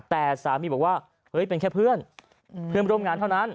แต่สามีบอกว่าเฮ้ยเป็นแค่เพื่อนเพื่อนร่วมงานเท่านั้น